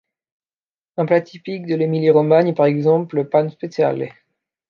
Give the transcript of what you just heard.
Un plat typique de l'Emilie-Romagne est par exemple le Pan Speziale.